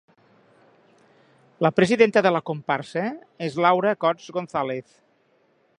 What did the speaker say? La presidenta de la comparsa és Laura Cots González.